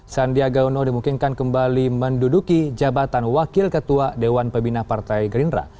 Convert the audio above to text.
sandiaga uno dimungkinkan kembali menduduki jabatan wakil ketua dewan pembina partai gerindra